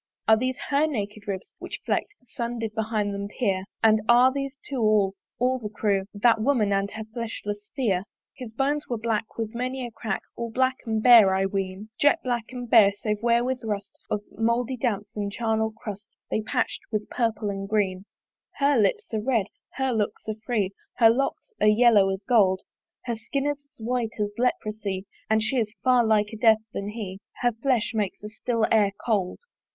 Are these her naked ribs, which fleck'd The sun that did behind them peer? And are these two all, all the crew, That woman and her fleshless Pheere? His bones were black with many a crack, All black and bare, I ween; Jet black and bare, save where with rust Of mouldy damps and charnel crust They're patch'd with purple and green. Her lips are red, her looks are free, Her locks are yellow as gold: Her skin is as white as leprosy, And she is far liker Death than he; Her flesh makes the still air cold.